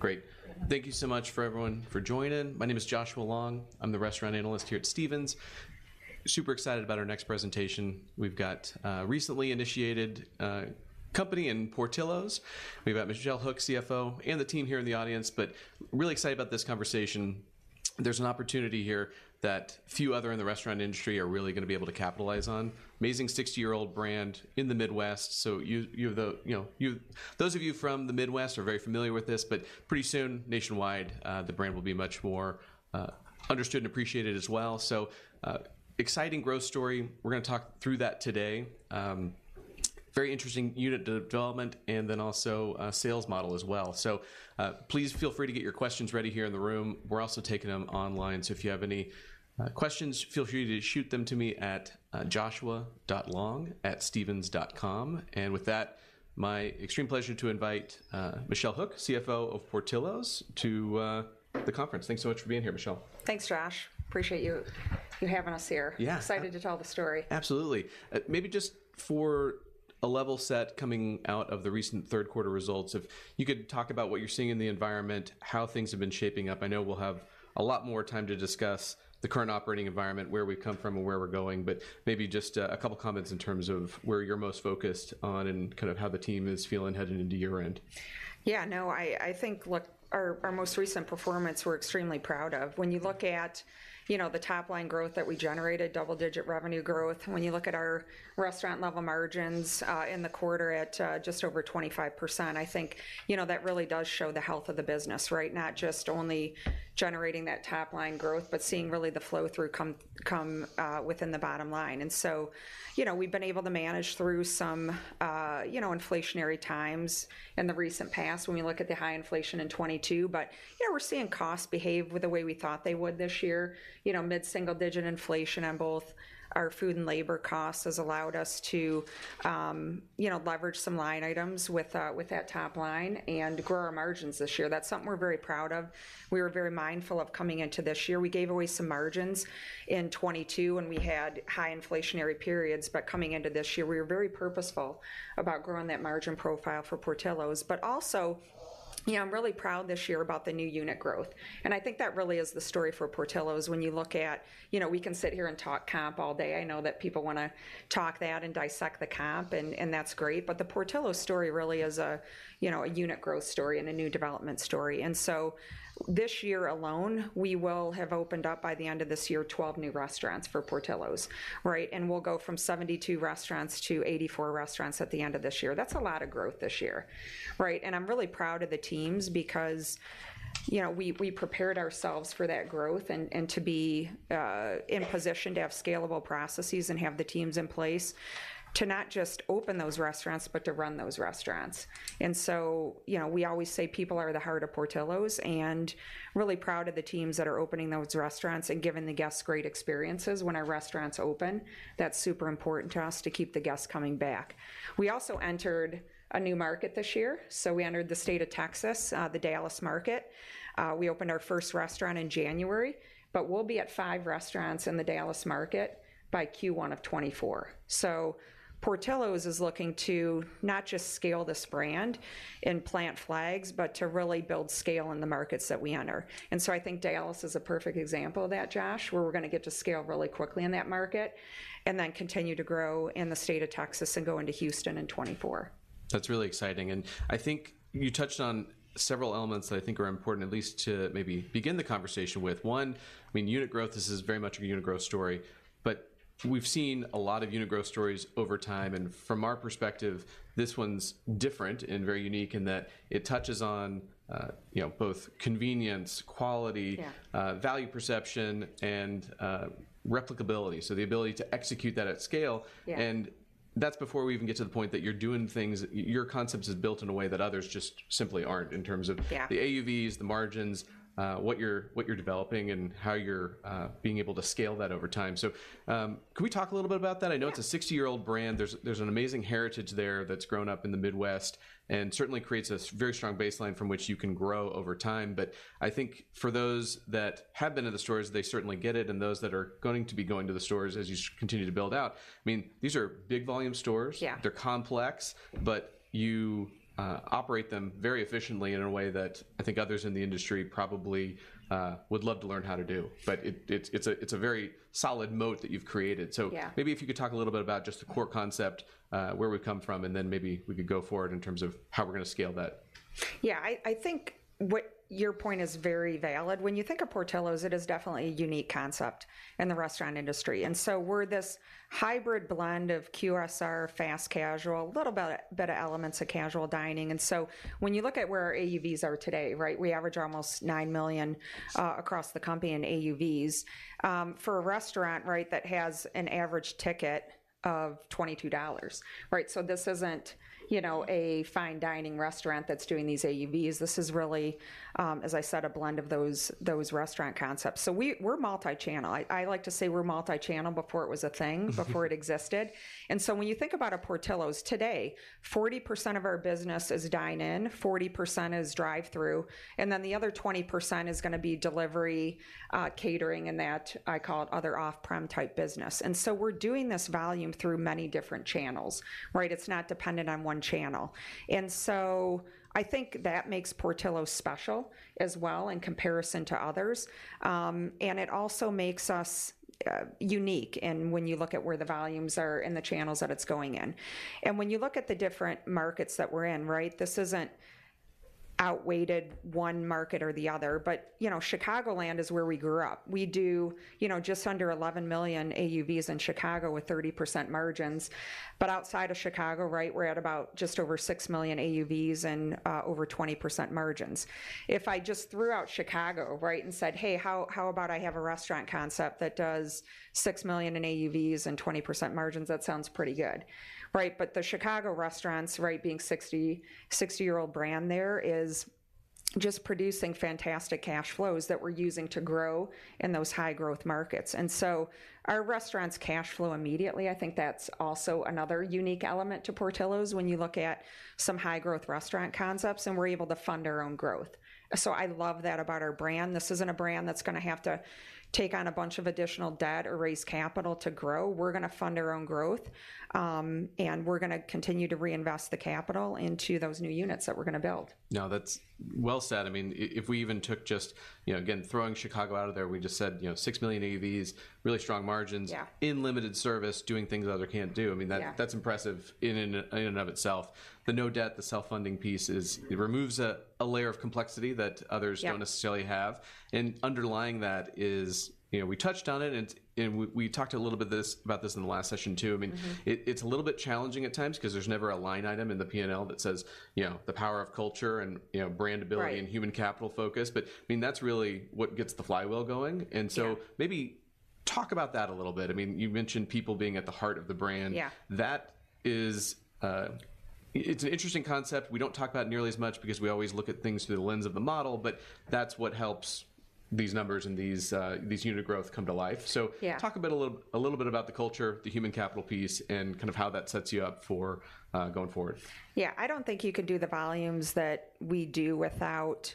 Great. Thank you so much for everyone for joining. My name is Joshua Long. I'm the restaurant analyst here at Stephens. Super excited about our next presentation. We've got a recently initiated company in Portillo's. We've got Michelle Hook, CFO, and the team here in the audience, but really excited about this conversation. There's an opportunity here that few other in the restaurant industry are really gonna be able to capitalize on. Amazing 60-year-old brand in the Midwest. So you know, those of you from the Midwest are very familiar with this, but pretty soon, nationwide, the brand will be much more understood and appreciated as well. So exciting growth story. We're gonna talk through that today. Very interesting unit development and then also a sales model as well. So, please feel free to get your questions ready here in the room. We're also taking them online, so if you have any, questions, feel free to shoot them to me at joshua.long@stephens.com. And with that, my extreme pleasure to invite Michelle Hook, CFO of Portillo's, to the conference. Thanks so much for being here, Michelle. Thanks, Josh. Appreciate you having us here. Yeah. Excited to tell the story. Absolutely. Maybe just for a level set coming out of the recent third quarter results, if you could talk about what you're seeing in the environment, how things have been shaping up. I know we'll have a lot more time to discuss the current operating environment, where we've come from and where we're going, but maybe just a couple comments in terms of where you're most focused on and kind of how the team is feeling headed into year-end. Yeah, no, I think, look, our most recent performance, we're extremely proud of. When you look at, you know, the top-line growth that we generated, double-digit revenue growth, when you look at our restaurant-level margins in the quarter at just over 25%, I think, you know, that really does show the health of the business, right? Not just only generating that top-line growth- Mm... but seeing really the flow-through come within the bottom line. And so, you know, we've been able to manage through some, you know, inflationary times in the recent past when we look at the high inflation in 2022. But yeah, we're seeing costs behave the way we thought they would this year. You know, mid-single-digit inflation on both our food and labor costs has allowed us to, you know, leverage some line items with, with that top line and grow our margins this year. That's something we're very proud of. We were very mindful of coming into this year. We gave away some margins in 2022 when we had high inflationary periods, but coming into this year, we were very purposeful about growing that margin profile for Portillo's. But also, yeah, I'm really proud this year about the new unit growth, and I think that really is the story for Portillo's. When you look at... You know, we can sit here and talk comp all day. I know that people wanna talk that and dissect the comp and, and that's great, but the Portillo's story really is a, you know, a unit growth story and a new development story. And so this year alone, we will have opened up, by the end of this year, 12 new restaurants for Portillo's, right? And we'll go from 72 restaurants to 84 restaurants at the end of this year. That's a lot of growth this year, right? I'm really proud of the teams because, you know, we prepared ourselves for that growth and to be in position to have scalable processes and have the teams in place to not just open those restaurants, but to run those restaurants. So, you know, we always say people are the heart of Portillo's, and really proud of the teams that are opening those restaurants and giving the guests great experiences when our restaurants open. That's super important to us to keep the guests coming back. We also entered a new market this year, so we entered the state of Texas, the Dallas market. We opened our first restaurant in January, but we'll be at five restaurants in the Dallas market by Q1 of 2024. Portillo's is looking to not just scale this brand and plant flags, but to really build scale in the markets that we enter. I think Dallas is a perfect example of that, Josh, where we're gonna get to scale really quickly in that market and then continue to grow in the state of Texas and go into Houston in 2024. That's really exciting, and I think you touched on several elements that I think are important, at least to maybe begin the conversation with. One, I mean, unit growth, this is very much a unit growth story, but we've seen a lot of unit growth stories over time, and from our perspective, this one's different and very unique in that it touches on, you know, both convenience, quality- Yeah... value perception, and replicability, so the ability to execute that at scale. Yeah. That's before we even get to the point that you're doing things—your concepts is built in a way that others just simply aren't in terms of— Yeah... the AUVs, the margins, what you're, what you're developing, and how you're being able to scale that over time. So, can we talk a little bit about that? Yeah. I know it's a 60-year-old brand. There's an amazing heritage there that's grown up in the Midwest and certainly creates a very strong baseline from which you can grow over time. But I think for those that have been to the stores, they certainly get it, and those that are going to be going to the stores as you continue to build out, I mean, these are big volume stores. Yeah. They're complex, but you operate them very efficiently in a way that I think others in the industry probably would love to learn how to do. But it's a very solid moat that you've created. Yeah. Maybe if you could talk a little bit about just the core concept, where we've come from, and then maybe we could go forward in terms of how we're gonna scale that. Yeah, I think what your point is very valid. When you think of Portillo's, it is definitely a unique concept in the restaurant industry, and so we're this hybrid blend of QSR, fast casual, little bit of elements of casual dining. And so when you look at where our AUVs are today, right, we average almost $9 million across the company in AUVs, for a restaurant, right, that has an average ticket of $22, right? So this isn't, you know, a fine dining restaurant that's doing these AUVs. This is really, as I said, a blend of those restaurant concepts. So we're multi-channel. I like to say we're multi-channel before it was a thing. Mm-hmm... before it existed. And so when you think about a Portillo's, today, 40% of our business is dine-in, 40% is drive-through, and then the other 20% is gonna be delivery, catering, and that, I call it other off-prem type business. And so we're doing this volume through many different channels, right? It's not dependent on one channel. And so I think that makes Portillo's special as well in comparison to others. And it also makes us unique, and when you look at where the volumes are and the channels that it's going in. And when you look at the different markets that we're in, right, this isn't outweighed one market or the other. But, you know, Chicagoland is where we grew up. We do, you know, just under $11 million AUVs in Chicago with 30% margins. But outside of Chicago, right, we're at about just over $6 million AUVs and over 20% margins. If I just threw out Chicago, right, and said: Hey, how about I have a restaurant concept that does $6 million in AUVs and 20% margins? That sounds pretty good, right? But the Chicago restaurants, right, being 60-year-old brand there, is just producing fantastic cash flows that we're using to grow in those high-growth markets. And so our restaurants cash flow immediately. I think that's also another unique element to Portillo's when you look at some high-growth restaurant concepts, and we're able to fund our own growth. So I love that about our brand. This isn't a brand that's gonna have to take on a bunch of additional debt or raise capital to grow. We're gonna fund our own growth, and we're gonna continue to reinvest the capital into those new units that we're gonna build. No, that's well said. I mean, if we even took just... You know, again, throwing Chicago out of there, we just said, you know, $6 million AUVs, really strong margins- Yeah... in limited service, doing things others can't do. Yeah. I mean, that's impressive in and of itself. The no debt, the self-funding piece is—it removes a layer of complexity that others— Yeah... don't necessarily have. Underlying that is... You know, we touched on it, and we talked a little bit about this in the last session too. Mm-hmm. I mean, it's a little bit challenging at times 'cause there's never a line item in the P&L that says, you know, the power of culture and, you know, brandability- Right... and human capital focus, but, I mean, that's really what gets the flywheel going. Yeah. Maybe talk about that a little bit. I mean, you mentioned people being at the heart of the brand. Yeah. That is, it's an interesting concept we don't talk about nearly as much because we always look at things through the lens of the model, but that's what helps these numbers and these unit growth come to life. Yeah. Talk a bit, a little, a little bit about the culture, the human capital piece, and kind of how that sets you up for going forward. Yeah, I don't think you could do the volumes that we do without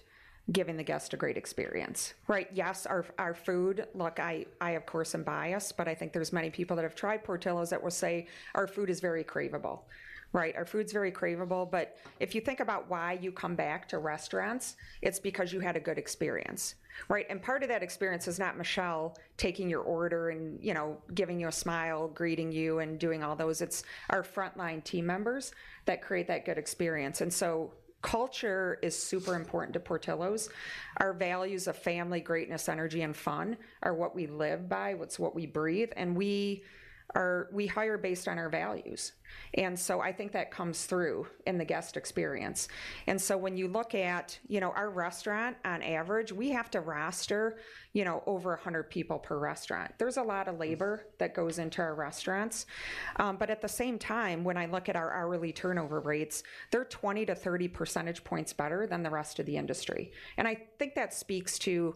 giving the guest a great experience, right? Yes, our food... Look, I of course am biased, but I think there's many people that have tried Portillo's that will say our food is very craveable, right? Our food's very craveable, but if you think about why you come back to restaurants, it's because you had a good experience, right? And part of that experience is not Michelle taking your order and, you know, giving you a smile, greeting you, and doing all those. It's our frontline team members that create that good experience. And so culture is super important to Portillo's. Our values of family, greatness, energy, and fun are what we live by. It's what we breathe, and we hire based on our values, and so I think that comes through in the guest experience. So when you look at, you know, our restaurant, on average, we have to roster, you know, over 100 people per restaurant. There's a lot of labor that goes into our restaurants, but at the same time, when I look at our hourly turnover rates, they're 20-30 percentage points better than the rest of the industry. I think that speaks to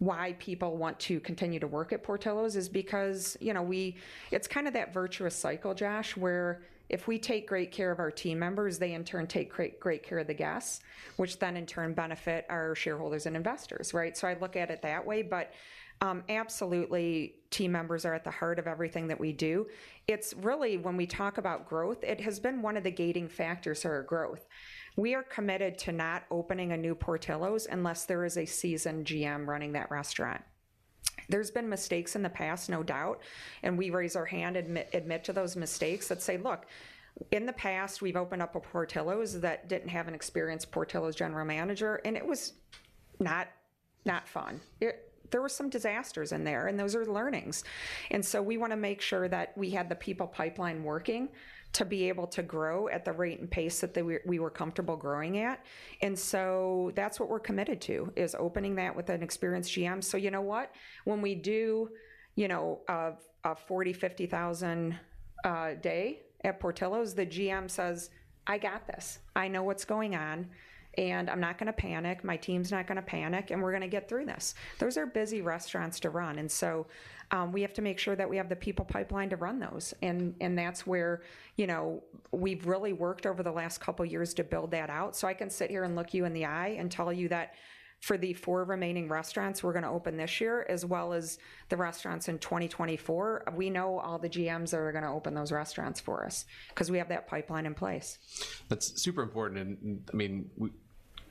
why people want to continue to work at Portillo's is because, you know, it's kind of that virtuous cycle, Josh, where if we take great care of our team members, they in turn take great, great care of the guests, which then in turn benefit our shareholders and investors, right? So I look at it that way, but, absolutely, team members are at the heart of everything that we do. It's really, when we talk about growth, it has been one of the gating factors for our growth. We are committed to not opening a new Portillo's unless there is a seasoned GM running that restaurant. There's been mistakes in the past, no doubt, and we raise our hand, admit, admit to those mistakes and say: Look, in the past, we've opened up a Portillo's that didn't have an experienced Portillo's general manager, and it was not fun. There were some disasters in there, and those are learnings. We wanna make sure that we had the people pipeline working to be able to grow at the rate and pace that we were comfortable growing at, and so that's what we're committed to, is opening that with an experienced GM. So you know what? When we do, you know, a $40,000-$50,000 day at Portillo's, the GM says, "I got this. I know what's going on, and I'm not gonna panic. My team's not gonna panic, and we're gonna get through this." Those are busy restaurants to run, and so we have to make sure that we have the people pipeline to run those, and that's where, you know, we've really worked over the last couple years to build that out. I can sit here and look you in the eye and tell you that for the four remaining restaurants we're gonna open this year, as well as the restaurants in 2024, we know all the GMs that are gonna open those restaurants for us 'cause we have that pipeline in place. That's super important, and I mean,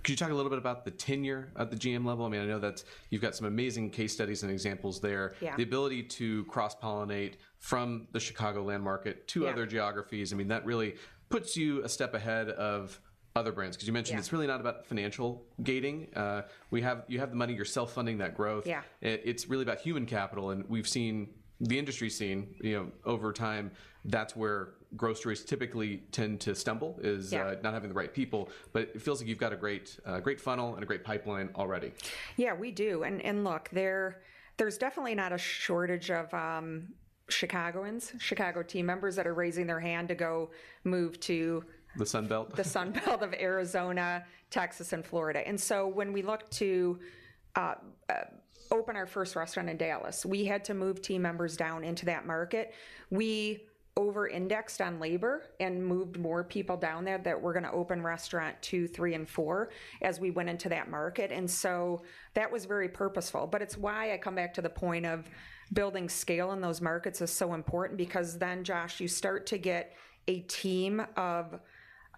could you talk a little bit about the tenure at the GM level? I mean, I know that's. You've got some amazing case studies and examples there. Yeah. The ability to cross-pollinate from the Chicagoland market- Yeah... to other geographies, I mean, that really puts you a step ahead of other brands. Yeah. 'Cause you mentioned it's really not about financial gating. We have—you have the money, you're self-funding that growth. Yeah. It's really about human capital, and we've seen, the industry's seen, you know, over time, that's where growth rates typically tend to stumble, is- Yeah... not having the right people, but it feels like you've got a great, great funnel and a great pipeline already. Yeah, we do. And look, there, there's definitely not a shortage of Chicagoans, Chicago team members that are raising their hand to go move to- The Sun Belt?... the Sun Belt of Arizona, Texas, and Florida. And so when we looked to open our first restaurant in Dallas, we had to move team members down into that market. We over-indexed on labor and moved more people down there that were gonna open restaurant 2, 3, and 4 as we went into that market, and so that was very purposeful. But it's why I come back to the point of building scale in those markets is so important because then, Josh, you start to get a team of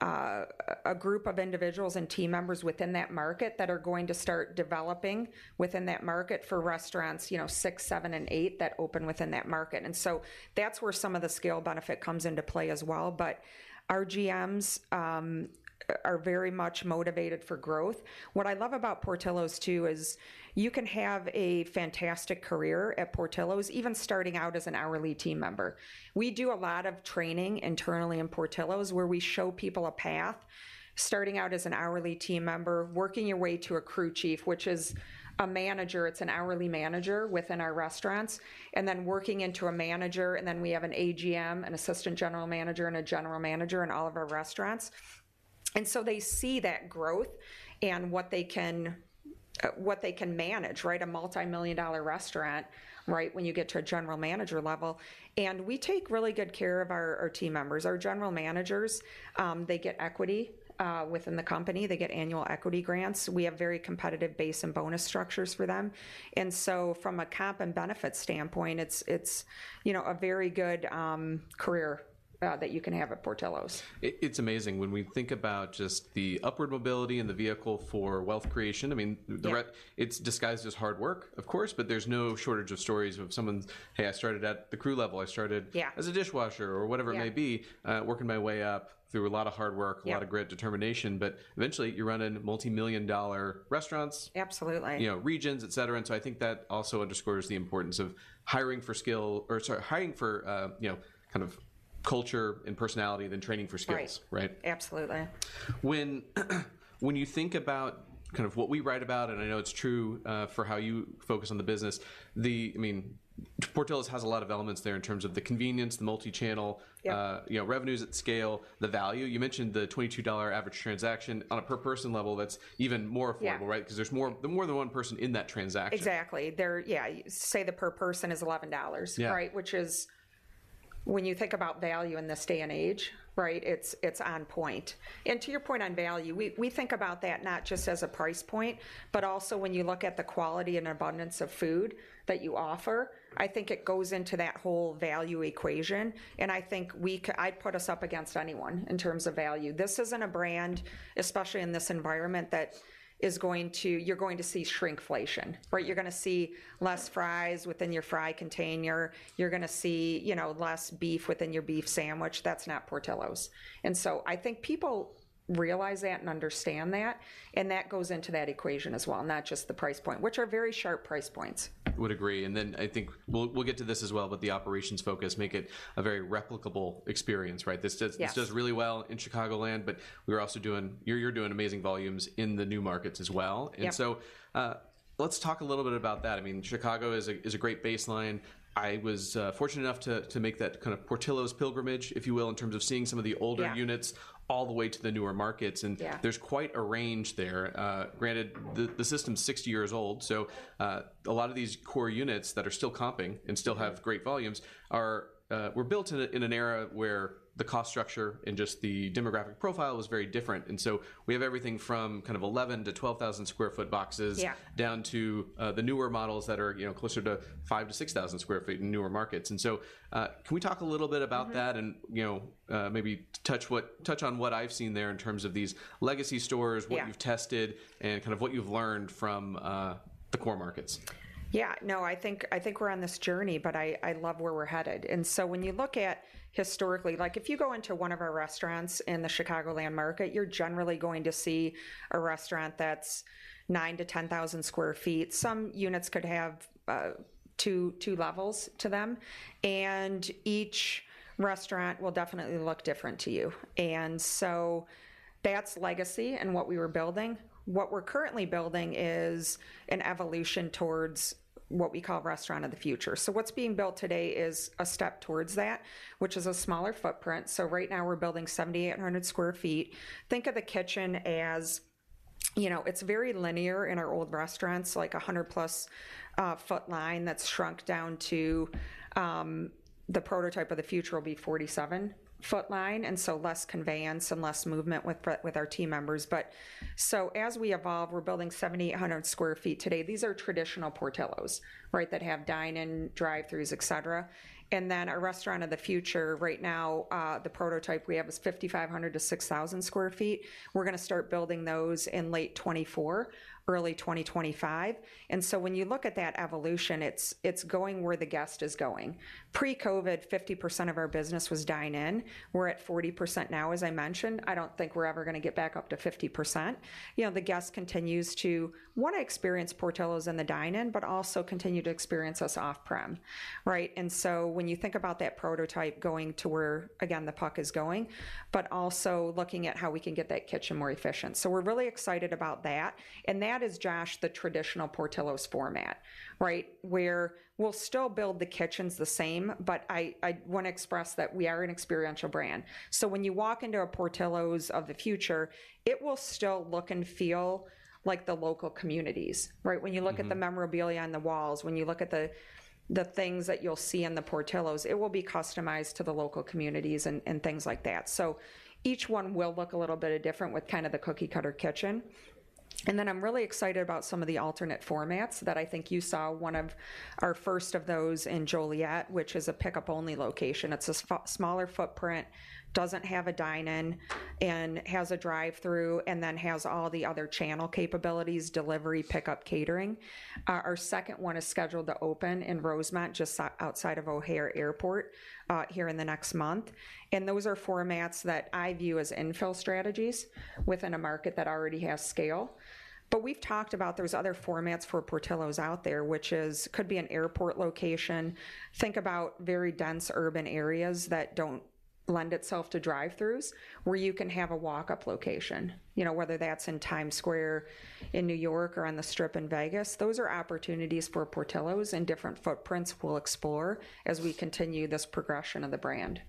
a group of individuals and team members within that market that are going to start developing within that market for restaurants, you know, 6, 7, and 8 that open within that market. And so that's where some of the scale benefit comes into play as well. But our GMs are very much motivated for growth. What I love about Portillo's too is, you can have a fantastic career at Portillo's, even starting out as an hourly team member. We do a lot of training internally in Portillo's, where we show people a path, starting out as an hourly team member, working your way to a crew chief, which is a manager. It's an hourly manager within our restaurants, and then working into a manager, and then we have an AGM, an assistant general manager, and a general manager in all of our restaurants, and so they see that growth and what they can, what they can manage, right? A multimillion-dollar restaurant, right, when you get to a general manager level. And we take really good care of our, our team members. Our general managers, they get equity within the company. They get annual equity grants. We have very competitive base and bonus structures for them, and so from a comp and benefit standpoint, it's you know, a very good career that you can have at Portillo's. It's amazing when we think about just the upward mobility and the vehicle for wealth creation. I mean- Yeah... it's disguised as hard work, of course, but there's no shortage of stories of someone, "Hey, I started at the crew level. I started- Yeah... as a dishwasher," or whatever it may be- Yeah... "working my way up through a lot of hard work- Yeah... a lot of great determination." But eventually, you're running multimillion-dollar restaurants. Absolutely. You know, regions, et cetera, and so I think that also underscores the importance of hiring for skill, or sorry, hiring for, you know, kind of culture and personality, then training for skills- Right... right? Absolutely. When you think about kind of what we write about, and I know it's true, for how you focus on the business, I mean, Portillo's has a lot of elements there in terms of the convenience, the multi-channel- Yeah... you know, revenues at scale, the value. You mentioned the $22 average transaction. On a per person level, that's even more affordable- Yeah... right? 'Cause there's more, more than one person in that transaction. Exactly. Yeah, say, the per person is $11- Yeah... right? Which is, when you think about value in this day and age, right, it's on point. To your point on value, we think about that not just as a price point, but also when you look at the quality and abundance of food that you offer. I think it goes into that whole value equation, and I think we'd put us up against anyone in terms of value. This isn't a brand, especially in this environment, that is going to... You're going to see shrinkflation, right? You're gonna see less fries within your fry container. You're gonna see, you know, less beef within your beef sandwich. That's not Portillo's. So I think people realize that and understand that, and that goes into that equation as well, not just the price point, which are very sharp price points. Would agree, and then I think we'll, we'll get to this as well, but the operations focus make it a very replicable experience, right? This does- Yes ...this does really well in Chicagoland, but we're also doing... You're doing amazing volumes in the new markets as well. Yep. And so, let's talk a little bit about that. I mean, Chicago is a great baseline. I was fortunate enough to make that kind of Portillo's pilgrimage, if you will, in terms of seeing some of the older- Yeah... units all the way to the newer markets, and- Yeah... there's quite a range there. Granted, the system's 60 years old, so a lot of these core units that are still comping and still- Mm-hmm... have great volumes were built in an era where the cost structure and just the demographic profile was very different. And so we have everything from kind of 11-12,000 sq ft boxes- Yeah... down to, the newer models that are, you know, closer to 5-6,000 sq ft in newer markets. And so, can we talk a little bit about that? Mm-hmm... and, you know, maybe touch on what I've seen there in terms of these legacy stores- Yeah... what you've tested, and kind of what you've learned from, the core markets? Yeah, no, I think, I think we're on this journey, but I, I love where we're headed. And so when you look at historically, like, if you go into one of our restaurants in the Chicagoland market, you're generally going to see a restaurant that's 9-10,000 sq ft. Some units could have two, two levels to them, and each restaurant will definitely look different to you, and so that's legacy and what we were building. What we're currently building is an evolution towards what we call Restaurant of the Future. So what's being built today is a step towards that, which is a smaller footprint. So right now, we're building 7,800 sq ft. Think of the kitchen as, you know, it's very linear in our old restaurants, like a 100+ ft line that's shrunk down to... The prototype of the future will be 47-foot line, and so less conveyance and less movement with our team members. But so as we evolve, we're building 7,800 sq ft today. These are traditional Portillo's, right, that have dine-in, drive-throughs, et cetera. And then our Restaurant of the Future, right now, the prototype we have is 5,500-6,000 sq ft. We're gonna start building those in late 2024, early 2025. And so when you look at that evolution, it's going where the guest is going. Pre-COVID, 50% of our business was dine-in. We're at 40% now, as I mentioned. I don't think we're ever gonna get back up to 50%. You know, the guest continues to wanna experience Portillo's in the dine-in, but also continue to experience us off-prem, right? When you think about that prototype going to where, again, the puck is going, but also looking at how we can get that kitchen more efficient. So we're really excited about that, and that is, Josh, the traditional Portillo's format, right? Where we'll still build the kitchens the same, but I, I wanna express that we are an experiential brand. So when you walk into a Portillo's of the future, it will still look and feel like the local communities, right? Mm-hmm. When you look at the memorabilia on the walls, when you look at the things that you'll see in the Portillo's, it will be customized to the local communities and things like that. So each one will look a little bit different with kind of the cookie cutter kitchen. And then I'm really excited about some of the alternate formats that I think you saw, one of our first of those in Joliet, which is a pickup-only location. It's a smaller footprint, doesn't have a dine-in, and has a drive-through, and then has all the other channel capabilities: delivery, pickup, catering. Our second one is scheduled to open in Rosemont, just outside of O'Hare Airport, here in the next month. And those are formats that I view as infill strategies within a market that already has scale. We've talked about those other formats for Portillo's out there, which is, could be an airport location. Think about very dense urban areas that don't lend itself to drive-throughs, where you can have a walk-up location. You know, whether that's in Times Square in New York or on the Strip in Vegas, those are opportunities for Portillo's, and different footprints we'll explore as we continue this progression of the brand....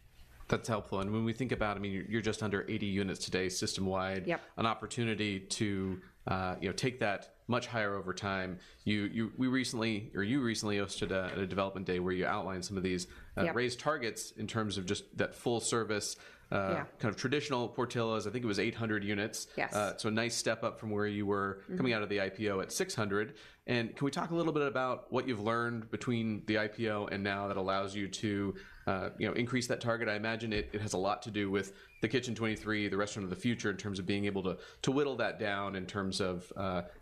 That's helpful. When we think about, I mean, you're just under 80 units today, system-wide. Yep. An opportunity to, you know, take that much higher over time. We recently, or you recently hosted a development day where you outlined some of these- Yep raised targets in terms of just that full service, Yeah - kind of traditional Portillo's. I think it was 800 units. Yes. So a nice step up from where you were- Mm-hmm Coming out of the IPO at 600. And can we talk a little bit about what you've learned between the IPO and now, that allows you to, you know, increase that target? I imagine it, it has a lot to do with the Kitchen 23, the Restaurant of the Future, in terms of being able to, to whittle that down in terms of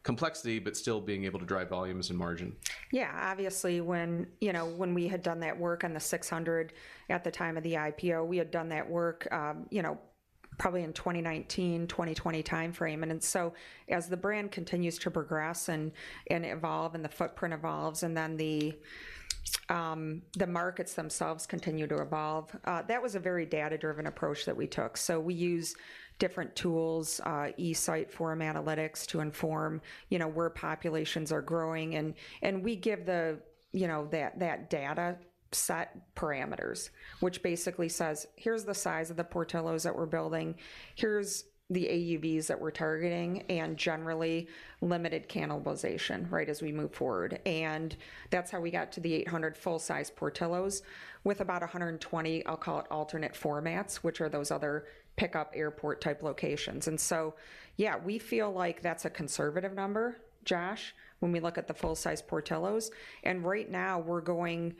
complexity, but still being able to drive volumes and margin. Yeah. Obviously, when, you know, when we had done that work on the 600 at the time of the IPO, we had done that work, you know, probably in 2019, 2020 timeframe. So, as the brand continues to progress and evolve, and the footprint evolves, and then the markets themselves continue to evolve, that was a very data-driven approach that we took. So we used different tools, eSite Analytics, to inform, you know, where populations are growing. And we give the, you know, that data set parameters, which basically says: Here's the size of the Portillo's that we're building. Here's the AUVs that we're targeting, and generally, limited cannibalization, right? As we move forward. And that's how we got to the 800 full-size Portillo's, with about 120, I'll call it, alternate formats, which are those other pickup airport-type locations. And so, yeah, we feel like that's a conservative number, Josh, when we look at the full-size Portillo's. And right now, we're going...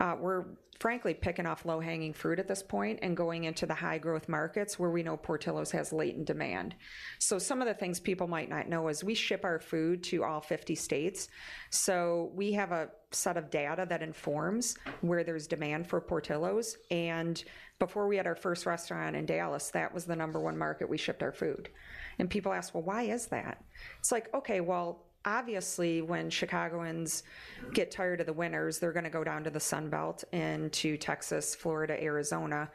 We're frankly picking off low-hanging fruit at this point, and going into the high-growth markets where we know Portillo's has latent demand. So some of the things people might not know is, we ship our food to all 50 states. So we have a set of data that informs where there's demand for Portillo's, and before we had our first restaurant in Dallas, that was the number one market we shipped our food. And people ask, "Well, why is that?" It's like, okay, well, obviously, when Chicagoans get tired of the winters, they're gonna go down to the Sun Belt into Texas, Florida, Arizona.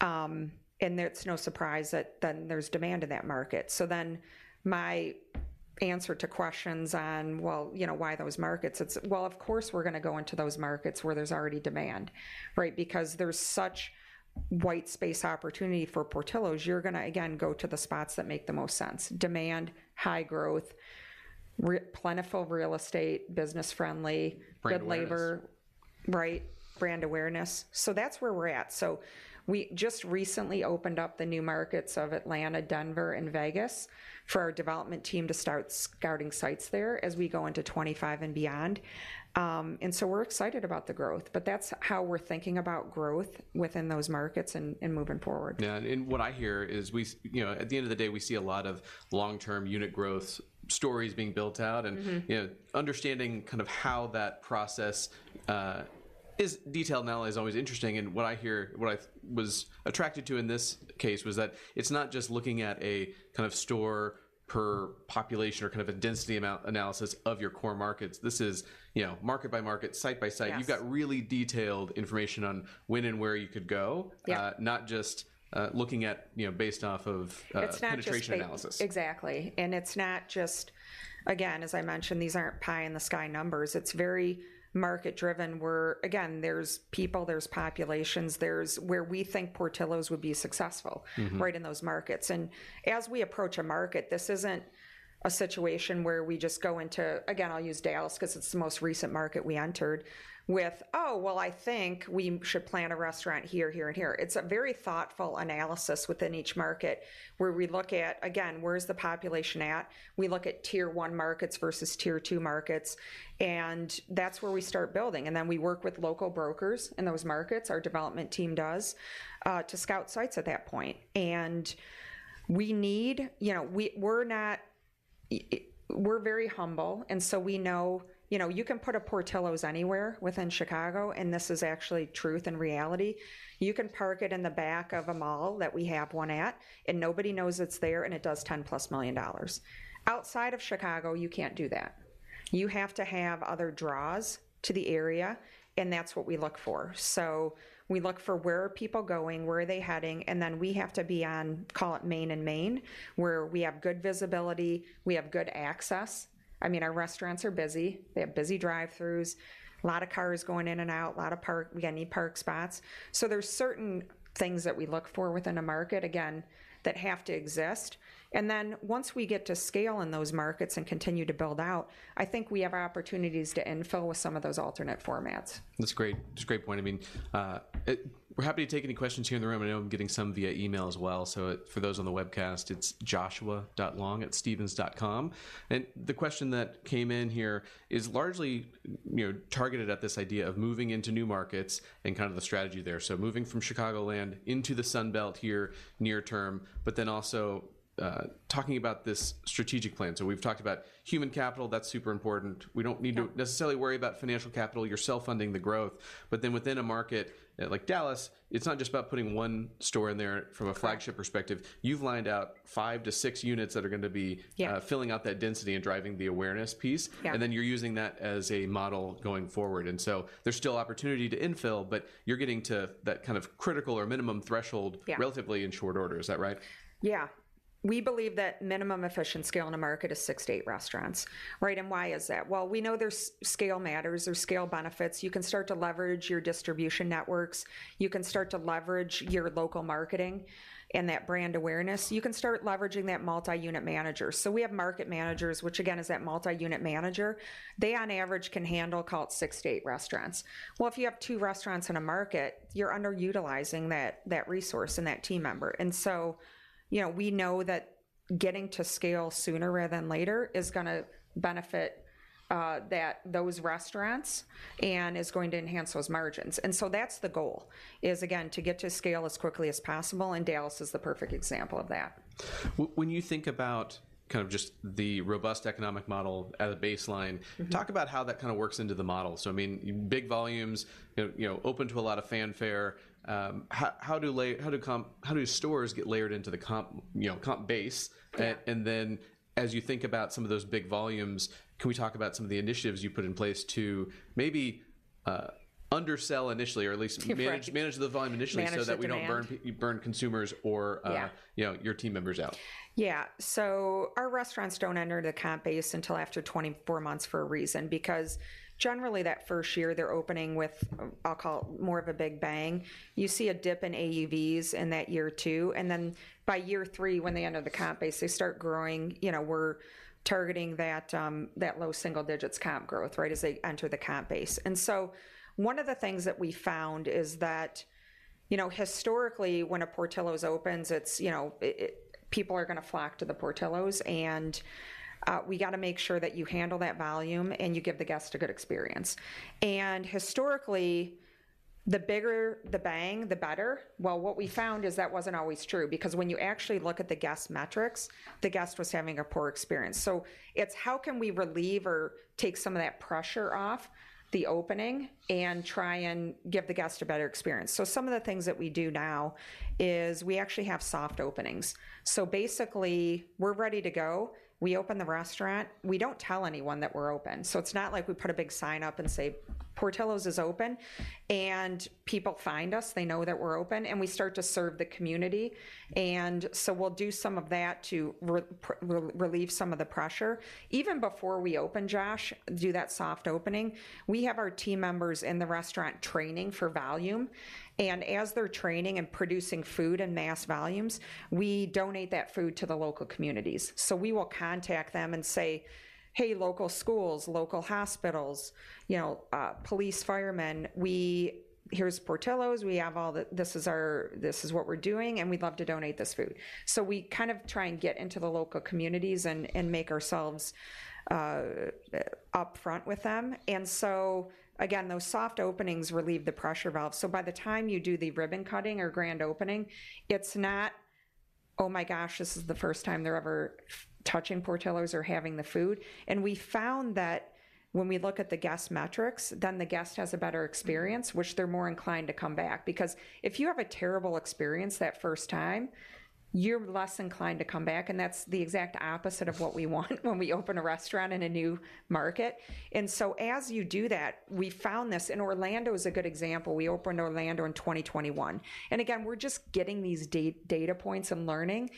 And it's no surprise that then there's demand in that market. So then my answer to questions on, "Well, you know, why those markets?" It's, well, of course, we're gonna go into those markets where there's already demand, right? Because there's such white space opportunity for Portillo's, you're gonna, again, go to the spots that make the most sense: demand, high growth, really plentiful real estate, business-friendly- Brand awareness. Good labor. Right, brand awareness. So that's where we're at. So we just recently opened up the new markets of Atlanta, Denver, and Vegas for our development team to start scouting sites there as we go into 2025 and beyond. And so we're excited about the growth, but that's how we're thinking about growth within those markets and moving forward. Yeah, and what I hear is we see, you know, at the end of the day, we see a lot of long-term unit growth stories being built out. Mm-hmm... and, you know, understanding kind of how that process is detailed, and that is always interesting. And what I hear, what I was attracted to in this case, was that it's not just looking at a kind of store per population or kind of a density analysis of your core markets. This is, you know, market by market, site by site. Yes. You've got really detailed information on when and where you could go- Yeah... not just looking at, you know, based off of It's not just- - penetration analysis. Exactly. And it's not just... Again, as I mentioned, these aren't pie-in-the-sky numbers. It's very market driven, where, again, there's people, there's populations, there's where we think Portillo's would be successful- Mm-hmm... right, in those markets. As we approach a market, this isn't a situation where we just go into, again, I'll use Dallas because it's the most recent market we entered, with, "Oh, well, I think we should plan a restaurant here, here, and here." It's a very thoughtful analysis within each market, where we look at, again, where is the population at? We look at Tier One markets versus Tier Two markets, and that's where we start building. And then we work with local brokers in those markets, our development team does, to scout sites at that point. You know, we're not, we're very humble, and so we know, you know, you can put a Portillo's anywhere within Chicago, and this is actually truth and reality. You can park it in the back of a mall that we have one at, and nobody knows it's there, and it does $10+ million. Outside of Chicago, you can't do that. You have to have other draws to the area, and that's what we look for. So we look for: Where are people going? Where are they heading? And then we have to be on, call it Main and Main, where we have good visibility, we have good access. I mean, our restaurants are busy. They have busy drive-throughs, a lot of cars going in and out, a lot of park- we gonna need park spots. So there's certain things that we look for within a market, again, that have to exist. And then, once we get to scale in those markets and continue to build out, I think we have opportunities to infill with some of those alternate formats. That's great. That's a great point. I mean, we're happy to take any questions here in the room, and I know I'm getting some via email as well. So for those on the webcast, it's joshua.long@stephens.com. And the question that came in here is largely, you know, targeted at this idea of moving into new markets and kind of the strategy there. So moving from Chicagoland into the Sun Belt here near term, but then also, talking about this strategic plan. So we've talked about human capital. That's super important. We don't need to- Yeah... necessarily worry about financial capital. You're self-funding the growth, but then within a market like Dallas, it's not just about putting one store in there from a- Correct... flagship perspective. You've lined out 5-6 units that are gonna be- Yeah... filling out that density and driving the awareness piece. Yeah. Then you're using that as a model going forward. So there's still opportunity to infill, but you're getting to that kind of critical or minimum threshold. Yeah... relatively in short order. Is that right? Yeah... We believe that minimum efficient scale in a market is 6-8 restaurants, right? And why is that? Well, we know there's scale matters, there's scale benefits. You can start to leverage your distribution networks, you can start to leverage your local marketing and that brand awareness. You can start leveraging that multi-unit manager. So we have market managers, which again, is that multi-unit manager. They, on average, can handle, call it, 6-8 restaurants. Well, if you have 2 restaurants in a market, you're underutilizing that resource and that team member. And so, you know, we know that getting to scale sooner rather than later is gonna benefit those restaurants and is going to enhance those margins. And so that's the goal, is again, to get to scale as quickly as possible, and Dallas is the perfect example of that. When you think about kind of just the robust economic model as a baseline- Mm-hmm. Talk about how that kinda works into the model. So I mean, big volumes, you know, you know, open to a lot of fanfare. How do stores get layered into the comp, you know, comp base? Yeah. Then, as you think about some of those big volumes, can we talk about some of the initiatives you've put in place to maybe undersell initially, or at least- Right... manage the volume initially- Manage the demand -so that we don't burn consumers or Yeah... you know, your team members out? Yeah. So our restaurants don't enter the comp base until after 24 months for a reason. Because generally, that first year, they're opening with, I'll call it, more of a big bang. You see a dip in AUVs in that year two, and then by year three, when they enter the comp base, they start growing. You know, we're targeting that low single digits comp growth, right, as they enter the comp base. And so one of the things that we found is that, you know, historically, when a Portillo's opens, it's, you know, people are gonna flock to the Portillo's, and we gotta make sure that you handle that volume, and you give the guest a good experience. And historically, the bigger the bang, the better. Well, what we found is that wasn't always true, because when you actually look at the guest metrics, the guest was having a poor experience. So it's how can we relieve or take some of that pressure off the opening and try and give the guest a better experience? So some of the things that we do now is, we actually have soft openings. So basically, we're ready to go. We open the restaurant. We don't tell anyone that we're open. So it's not like we put a big sign up and say, "Portillo's is open," and people find us, they know that we're open, and we start to serve the community. And so we'll do some of that to relieve some of the pressure. Even before we open, Josh, do that soft opening, we have our team members in the restaurant training for volume, and as they're training and producing food in mass volumes, we donate that food to the local communities. So we will contact them and say, "Hey, local schools, local hospitals, you know, police, firemen, here's Portillo's. We have all the... This is our- this is what we're doing, and we'd love to donate this food." So we kind of try and get into the local communities and, and make ourselves upfront with them. And so again, those soft openings relieve the pressure valve. So by the time you do the ribbon cutting or grand opening, it's not, "Oh my gosh, this is the first time they're ever fucking touching Portillo's or having the food." And we found that when we look at the guest metrics, then the guest has a better experience. Mm... which they're more inclined to come back. Because if you have a terrible experience that first time, you're less inclined to come back, and that's the exact opposite of what we want when we open a restaurant in a new market. And so as you do that, we found this, and Orlando is a good example. We opened Orlando in 2021, and again, we're just getting these data points and learning,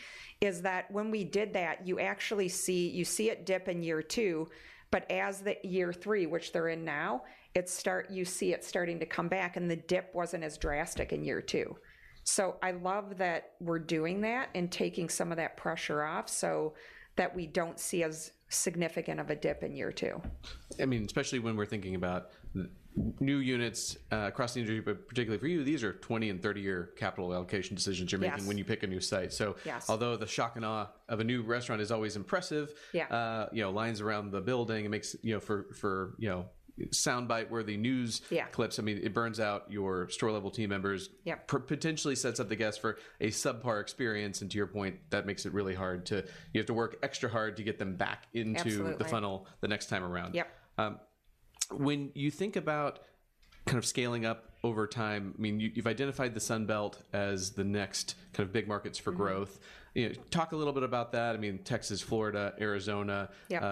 is that when we did that, you actually see you see it dip in year two, but as the year three, which they're in now, it you see it starting to come back, and the dip wasn't as drastic in year two. So I love that we're doing that and taking some of that pressure off, so that we don't see as significant of a dip in year two. I mean, especially when we're thinking about the new units, across the industry, but particularly for you, these are 20- and 30-year capital allocation decisions you're making- Yes... when you pick a new site. Yes. Although the shock and awe of a new restaurant is always impressive- Yeah... you know, lines around the building. It makes, you know, for soundbite-worthy news- Yeah... clips. I mean, it burns out your store-level team members- Yeah... potentially sets up the guests for a subpar experience, and to your point, that makes it really hard. You have to work extra hard to get them back into- Absolutely... the funnel the next time around. Yep. When you think about kind of scaling up over time, I mean, you've identified the Sun Belt as the next kind of big markets for growth. Mm-hmm. You know, talk a little bit about that. I mean, Texas, Florida, Arizona. Yep.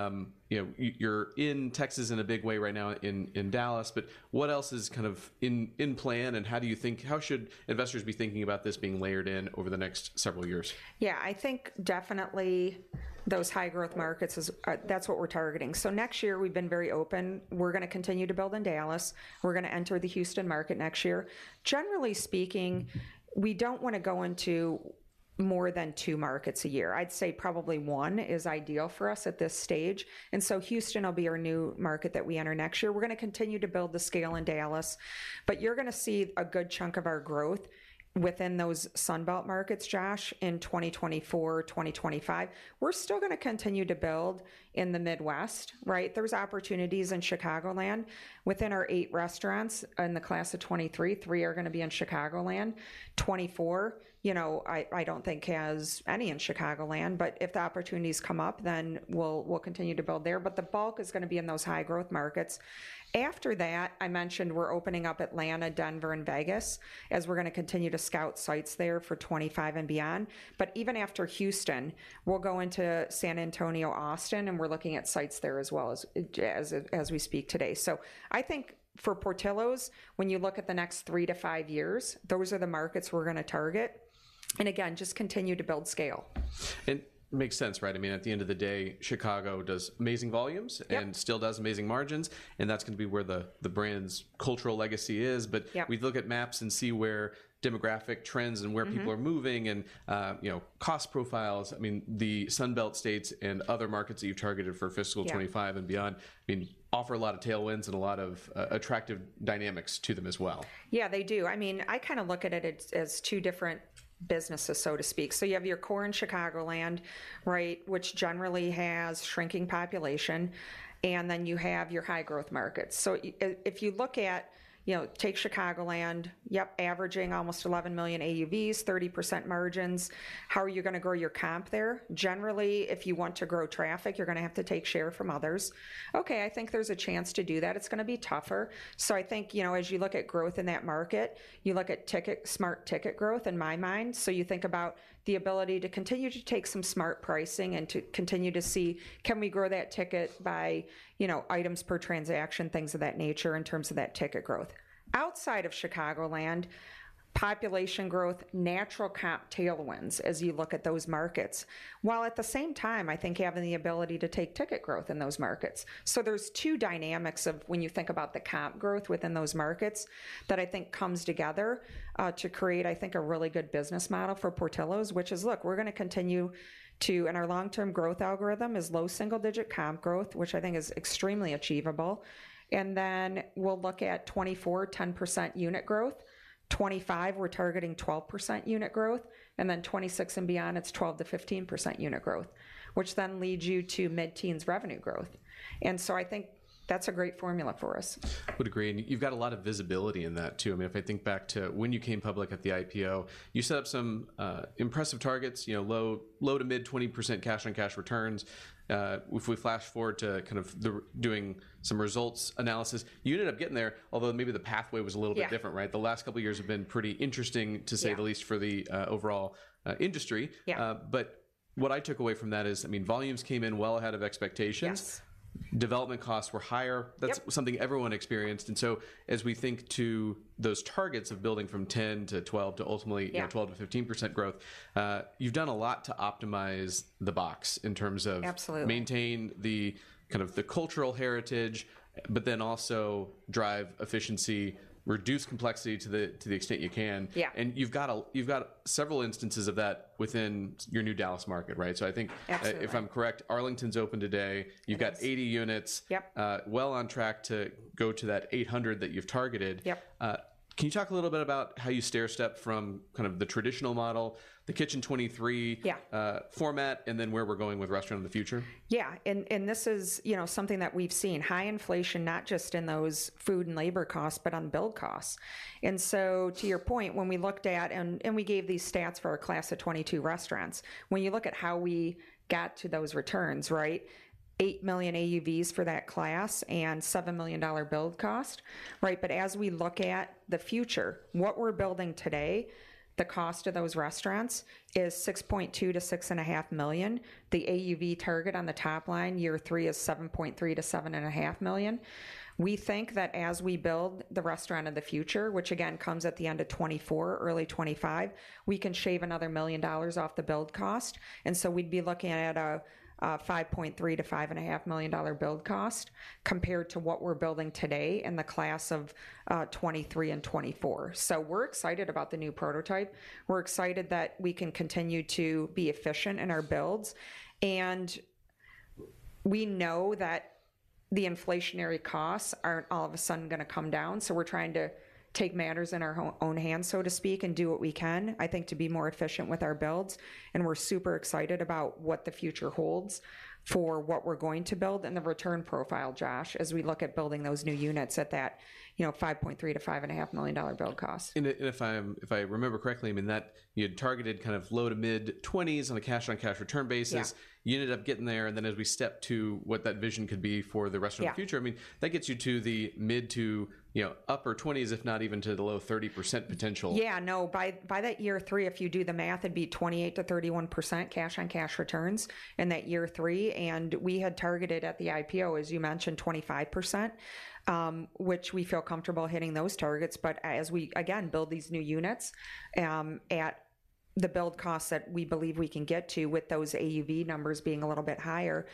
You know, you're in Texas in a big way right now in Dallas, but what else is kind of in plan, and how should investors be thinking about this being layered in over the next several years? Yeah, I think definitely those high-growth markets is, that's what we're targeting. So next year, we've been very open. We're gonna continue to build in Dallas. We're gonna enter the Houston market next year. Generally speaking, we don't wanna go into more than two markets a year. I'd say probably one is ideal for us at this stage, and so Houston will be our new market that we enter next year. We're gonna continue to build the scale in Dallas, but you're gonna see a good chunk of our growth within those Sun Belt markets, Josh, in 2024, 2025. We're still gonna continue to build in the Midwest, right? There's opportunities in Chicagoland. Within our eight restaurants, in the class of 2023, three are gonna be in Chicagoland. 24, you know, I, I don't think has any in Chicagoland, but if the opportunities come up, then we'll, we'll continue to build there. But the bulk is gonna be in those high-growth markets. After that, I mentioned we're opening up Atlanta, Denver, and Vegas, as we're gonna continue to scout sites there for 25 and beyond. But even after Houston, we'll go into San Antonio, Austin, and we're looking at sites there as well as, as, as we speak today. So I think for Portillo's, when you look at the next 3-5 years, those are the markets we're gonna target, and again, just continue to build scale. It makes sense, right? I mean, at the end of the day, Chicago does amazing volumes- Yep... and still does amazing margins, and that's gonna be where the brand's cultural legacy is. Yep. But we look at maps and see where demographic trends- Mm-hmm... and where people are moving and, you know, cost profiles. I mean, the Sun Belt states and other markets that you've targeted for fiscal 25- Yeah... and beyond, I mean, offer a lot of tailwinds and a lot of attractive dynamics to them as well. Yeah, they do. I mean, I kinda look at it as, as two different businesses, so to speak. So you have your core in Chicagoland, right, which generally has shrinking population, and then you have your high-growth markets. So if you look at, you know, take Chicagoland, yep, averaging almost $11 million AUVs, 30% margins. How are you gonna grow your comp there? Generally, if you want to grow traffic, you're gonna have to take share from others. Okay, I think there's a chance to do that. It's gonna be tougher. So I think, you know, as you look at growth in that market, you look at ticket-smart ticket growth, in my mind. So you think about the ability to continue to take some smart pricing and to continue to see, can we grow that ticket by, you know, items per transaction, things of that nature, in terms of that ticket growth. Outside of Chicagoland, population growth, natural comp tailwinds, as you look at those markets, while at the same time, I think having the ability to take ticket growth in those markets. So there's two dynamics of when you think about the comp growth within those markets, that I think comes together to create, I think, a really good business model for Portillo's, which is, look, we're gonna continue to... And our long-term growth algorithm is low single-digit comp growth, which I think is extremely achievable. And then we'll look at 2024, 10% unit growth. 25, we're targeting 12% unit growth, and then 26 and beyond, it's 12%-15% unit growth, which then leads you to mid-teens revenue growth. And so I think that's a great formula for us. Would agree, and you've got a lot of visibility in that, too. I mean, if I think back to when you came public at the IPO, you set up some impressive targets, you know, low- to mid-20% cash-on-cash returns. If we flash forward to kind of doing some results analysis, you ended up getting there, although maybe the pathway was a little bit different, right? Yeah. The last couple of years have been pretty interesting to say- Yeah... the least, for the overall industry. Yeah. What I took away from that is, I mean, volumes came in well ahead of expectations. Yes. Development costs were higher. Yep. That's something everyone experienced, and so as we think to those targets of building from 10 to 12 to ultimately- Yeah... you know, 12%-15% growth, you've done a lot to optimize the box in terms of- Absolutely... maintain the kind of cultural heritage, but then also drive efficiency, reduce complexity to the extent you can. Yeah. You've got several instances of that within your new Dallas market, right? So I think- Absolutely... if I'm correct, Arlington's open today. It is. You've got 80 units- Yep... well on track to go to that 800 that you've targeted. Yep. Can you talk a little bit about how you stairstepped from kind of the traditional model, the Kitchen 23- Yeah... format, and then where we're going with Restaurant of the Future? Yeah, and this is, you know, something that we've seen, high inflation, not just in those food and labor costs, but on build costs. And so, to your point, when we looked at... and we gave these stats for our class of 2022 restaurants. When you look at how we got to those returns, right? $8 million AUVs for that class and $7 million build cost, right? But as we look at the future, what we're building today, the cost of those restaurants is $6.2-$6.5 million. The AUV target on the top line, year three, is $7.3-$7.5 million. We think that as we build the Restaurant of the Future, which again comes at the end of 2024, early 2025, we can shave another $1 million off the build cost, and so we'd be looking at a $5.3-$5.5 million build cost, compared to what we're building today in the class of 2023 and 2024. So we're excited about the new prototype. We're excited that we can continue to be efficient in our builds, and we know that the inflationary costs aren't all of a sudden gonna come down, so we're trying to take matters in our own hands, so to speak, and do what we can, I think, to be more efficient with our builds. We're super excited about what the future holds for what we're going to build and the return profile, Josh, as we look at building those new units at that, you know, $5.3-$5.5 million build cost. If I remember correctly, I mean, that you had targeted kind of low to mid-20s on a cash-on-cash return basis. Yeah. You ended up getting there, and then as we step to what that vision could be for the Restaurant of the Future- Yeah... I mean, that gets you to the mid-20s to, you know, upper 20s, if not even to the low 30% potential. Yeah, no, by that year three, if you do the math, it'd be 28%-31% cash-on-cash returns in that year three. And we had targeted at the IPO, as you mentioned, 25%, which we feel comfortable hitting those targets. But as we, again, build these new units, the build costs that we believe we can get to with those AUV numbers being a little bit higher,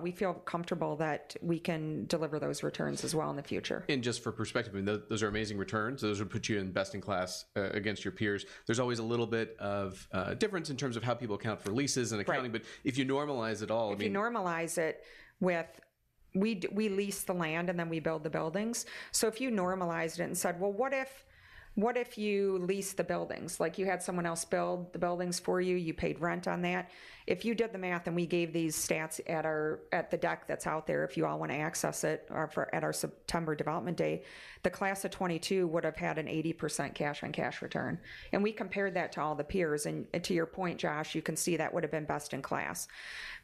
we feel comfortable that we can deliver those returns as well in the future. Just for perspective, I mean, those, those are amazing returns. Those would put you in best in class against your peers. There's always a little bit of difference in terms of how people account for leases and accounting- Right. but if you normalize it all, I mean If you normalize it with we lease the land, and then we build the buildings. So if you normalized it and said, "Well, what if, what if you lease the buildings?" Like, you had someone else build the buildings for you, you paid rent on that. If you did the math and we gave these stats at the deck that's out there, if you all wanna access it, or for our September Development Day, the class of 2022 would have had an 80% cash-on-cash return, and we compared that to all the peers. And to your point, Josh, you can see that would have been best in class.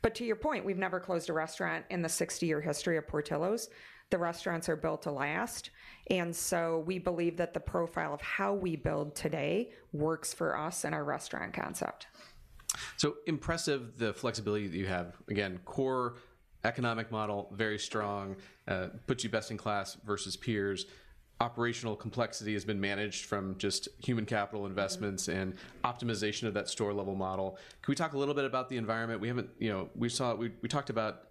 But to your point, we've never closed a restaurant in the 60-year history of Portillo's. The restaurants are built to last, and so we believe that the profile of how we build today works for us and our restaurant concept. So impressive, the flexibility that you have. Again, core economic model, very strong, puts you best in class versus peers. Operational complexity has been managed from just human capital investments- Mm-hmm... and optimization of that store-level model. Can we talk a little bit about the environment? We haven't, you know, we saw, we talked about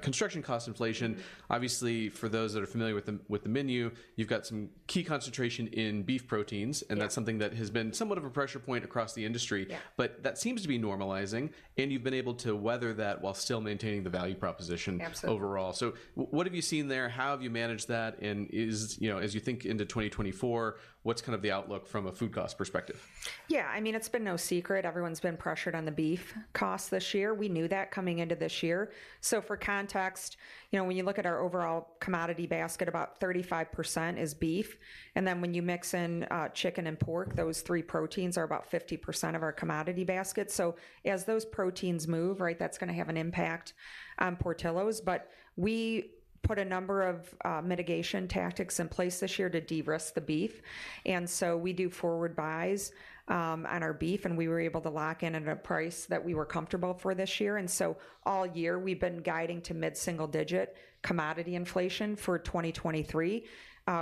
construction cost inflation. Mm-hmm. Obviously, for those that are familiar with the menu, you've got some key concentration in beef proteins- Yeah... and that's something that has been somewhat of a pressure point across the industry. Yeah. But that seems to be normalizing, and you've been able to weather that while still maintaining the value proposition- Absolutely... overall. So what have you seen there? How have you managed that? And is, you know, as you think into 2024, what's kind of the outlook from a food cost perspective? Yeah, I mean, it's been no secret. Everyone's been pressured on the beef costs this year. We knew that coming into this year. So for context, you know, when you look at our overall commodity basket, about 35% is beef, and then when you mix in, chicken and pork, those three proteins are about 50% of our commodity basket. So as those proteins move, right, that's gonna have an impact on Portillo's. But we put a number of mitigation tactics in place this year to de-risk the beef, and so we do forward buys on our beef, and we were able to lock in at a price that we were comfortable for this year. And so all year, we've been guiding to mid-single-digit commodity inflation for 2023.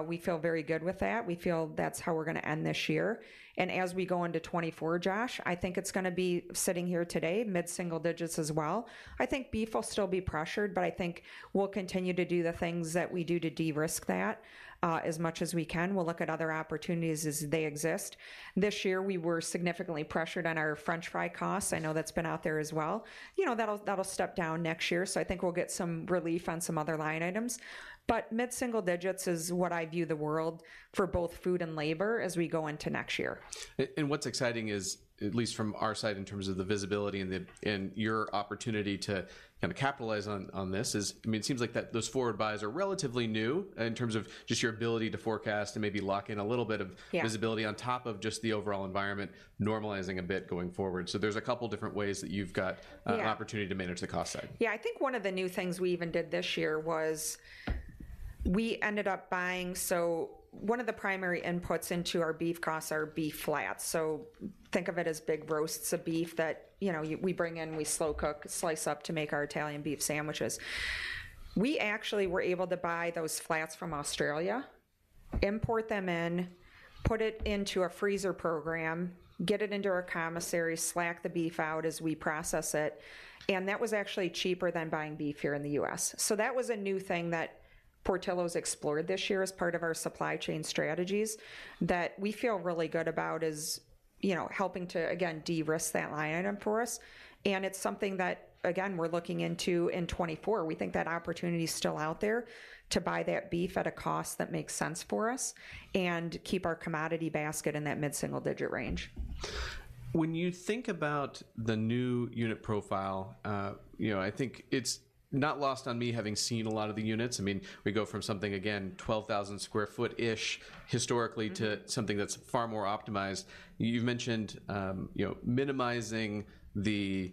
We feel very good with that. We feel that's how we're gonna end this year. As we go into 2024, Josh, I think it's gonna be, sitting here today, mid-single digits as well. I think beef will still be pressured, but I think we'll continue to do the things that we do to de-risk that, as much as we can. We'll look at other opportunities as they exist. This year, we were significantly pressured on our French fry costs. I know that's been out there as well. You know, that'll, that'll step down next year, so I think we'll get some relief on some other line items. Mid-single digits is what I view the world for both food and labor as we go into next year. and what's exciting is, at least from our side, in terms of the visibility and your opportunity to kind of capitalize on this, is, I mean, it seems like that those forward buys are relatively new in terms of just your ability to forecast and maybe lock in a little bit of- Yeah... visibility on top of just the overall environment normalizing a bit going forward. So there's a couple different ways that you've got- Yeah... an opportunity to manage the cost side. Yeah, I think one of the new things we even did this year was we ended up buying. So one of the primary inputs into our beef costs are beef flats. So think of it as big roasts of beef that, you know, we bring in, we slow cook, slice up to make our Italian beef sandwiches. We actually were able to buy those flats from Australia, import them in, put it into a freezer program, get it into our commissary, slack the beef out as we process it, and that was actually cheaper than buying beef here in the U.S. So that was a new thing that Portillo's explored this year as part of our supply chain strategies that we feel really good about as, you know, helping to, again, de-risk that line item for us, and it's something that, again, we're looking into in 2024. We think that opportunity is still out there to buy that beef at a cost that makes sense for us and keep our commodity basket in that mid-single-digit range. When you think about the new unit profile, you know, I think it's not lost on me, having seen a lot of the units. I mean, we go from something, again, 12,000 sq ft-ish historically- Mm-hmm... to something that's far more optimized. You've mentioned, you know, minimizing the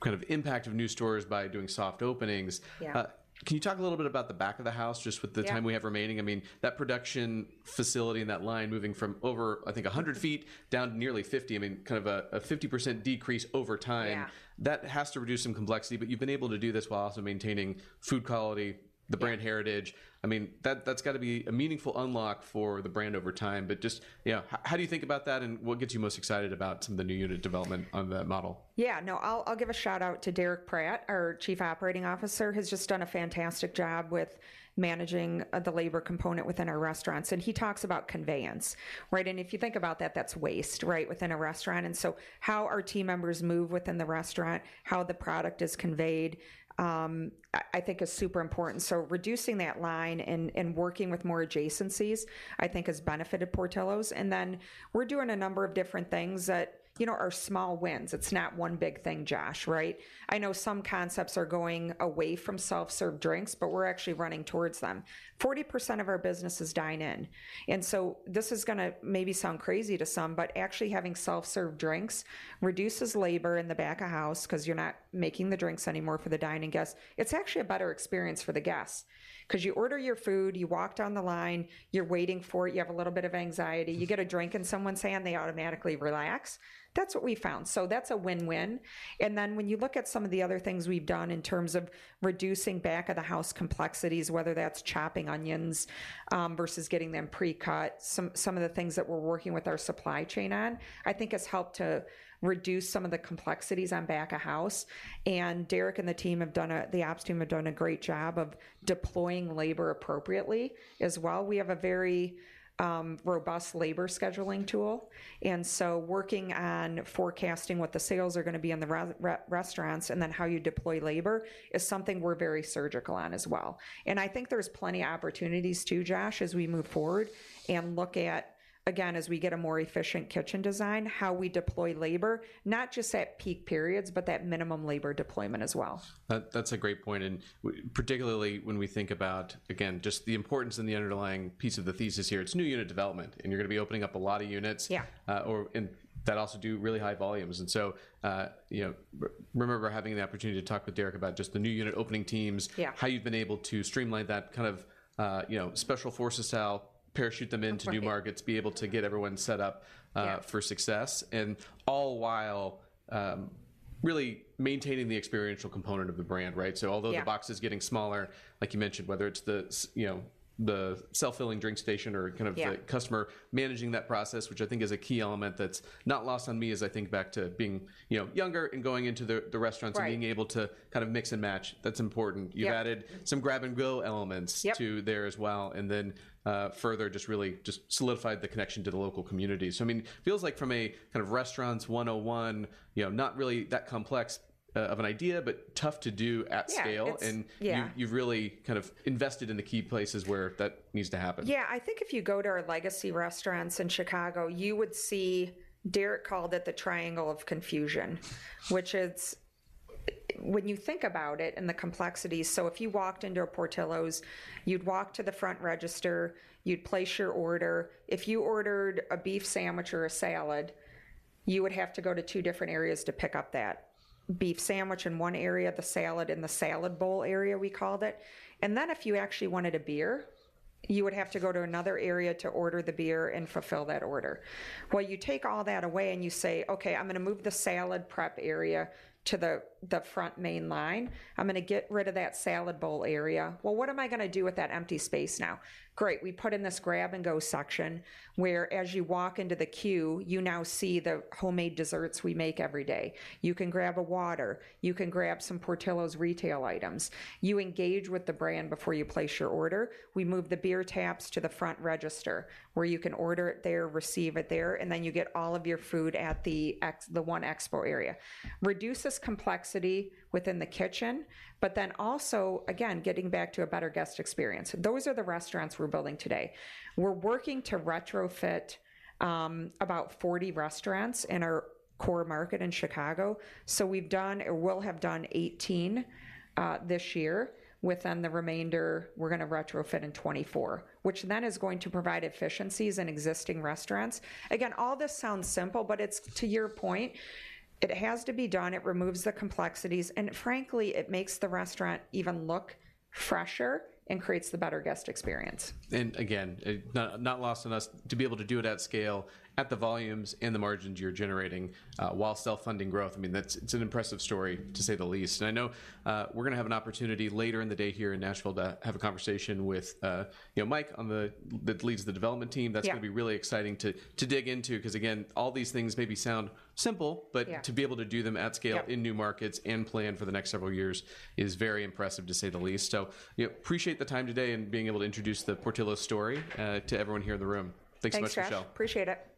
kind of impact of new stores by doing soft openings. Yeah. Can you talk a little bit about the back of the house, just with the- Yeah... time we have remaining? I mean, that production facility and that line moving from over, I think, 100 feet- Mm-hmm... down to nearly 50, I mean, kind of a 50% decrease over time. Yeah. That has to reduce some complexity, but you've been able to do this while also maintaining food quality- Yeah... the brand heritage. I mean, that, that's got to be a meaningful unlock for the brand over time, but just, yeah, how do you think about that, and what gets you most excited about some of the new unit development on that model? Yeah, no, I'll give a shout-out to Derrick Pratt, our Chief Operating Officer, has just done a fantastic job with managing the labor component within our restaurants, and he talks about conveyance, right? And if you think about that, that's waste, right, within a restaurant, and so how our team members move within the restaurant, how the product is conveyed, I think is super important. So reducing that line and working with more adjacencies, I think has benefited Portillo's. And then, we're doing a number of different things that, you know, are small wins. It's not one big thing, Josh, right? I know some concepts are going away from self-serve drinks, but we're actually running towards them. 40% of our business is dine-in, and so this is gonna maybe sound crazy to some, but actually, having self-serve drinks reduces labor in the back of house 'cause you're not making the drinks anymore for the dine-in guests. It's actually a better experience for the guests. 'Cause you order your food, you walk down the line, you're waiting for it, you have a little bit of anxiety. You get a drink in someone's hand, they automatically relax. That's what we found. So that's a win-win. And then, when you look at some of the other things we've done in terms of reducing back-of-the-house complexities, whether that's chopping onions, versus getting them pre-cut, some of the things that we're working with our supply chain on, I think has helped to reduce some of the complexities on back of house. Derrick and the ops team have done a great job of deploying labor appropriately as well. We have a very robust labor scheduling tool, and so working on forecasting what the sales are gonna be in the restaurants and then how you deploy labor is something we're very surgical on as well. I think there's plenty of opportunities, too, Josh, as we move forward... and look at, again, as we get a more efficient kitchen design, how we deploy labor, not just at peak periods, but that minimum labor deployment as well. That, that's a great point, and particularly when we think about, again, just the importance and the underlying piece of the thesis here, it's new unit development, and you're gonna be opening up a lot of units- Yeah... or and that also do really high volumes. And so, you know, remember having the opportunity to talk with Derrick about just the new unit opening teams- Yeah... how you've been able to streamline that kind of, you know, special forces how, parachute them into- Right... new markets, be able to get everyone set up, Yeah... for success, and all while really maintaining the experiential component of the brand, right? So although- Yeah... the box is getting smaller, like you mentioned, whether it's you know, the self-filling drink station or kind of- Yeah... the customer managing that process, which I think is a key element that's not lost on me as I think back to being, you know, younger and going into the restaurants- Right... and being able to kind of mix and match. That's important. Yeah. You've added some grab-and-go elements- Yep... to there as well, and then, further just really just solidified the connection to the local community. So, I mean, feels like from a kind of Restaurants 101, you know, not really that complex of an idea, but tough to do at scale. Yeah, it's... Yeah. You've really kind of invested in the key places where that needs to happen. Yeah. I think if you go to our legacy restaurants in Chicago, you would see, Derrick called it the triangle of confusion, which is, when you think about it, and the complexities, so if you walked into a Portillo's, you'd walk to the front register, you'd place your order. If you ordered a beef sandwich or a salad, you would have to go to two different areas to pick up that beef sandwich in one area, the salad in the salad bowl area, we called it, and then if you actually wanted a beer, you would have to go to another area to order the beer and fulfill that order. Well, you take all that away and you say, "Okay, I'm gonna move the salad prep area to the front main line. I'm gonna get rid of that salad bowl area. Well, what am I gonna do with that empty space now?" Great, we put in this grab-and-go section, where as you walk into the queue, you now see the homemade desserts we make every day. You can grab a water. You can grab some Portillo's retail items. You engage with the brand before you place your order. We move the beer taps to the front register, where you can order it there, receive it there, and then you get all of your food at the exit, the one expo area. Reduces complexity within the kitchen, but then also, again, getting back to a better guest experience. Those are the restaurants we're building today. We're working to retrofit about 40 restaurants in our core market in Chicago. So we've done or will have done 18 this year, within the remainder, we're gonna retrofit in 2024, which then is going to provide efficiencies in existing restaurants. Again, all this sounds simple, but it's, to your point, it has to be done, it removes the complexities, and frankly, it makes the restaurant even look fresher and creates the better guest experience. And again, not lost on us to be able to do it at scale, at the volumes and the margins you're generating, while self-funding growth. I mean, that's—it's an impressive story, to say the least. And I know, we're gonna have an opportunity later in the day here in Nashville to have a conversation with, you know, Mike, on the—that leads the development team. Yeah. That's gonna be really exciting to dig into, 'cause again, all these things maybe sound simple- Yeah... but to be able to do them at scale- Yep... in new markets and plan for the next several years is very impressive, to say the least. So, you know, appreciate the time today and being able to introduce the Portillo's story to everyone here in the room. Thanks, Josh. Thanks so much, Michelle. Appreciate it.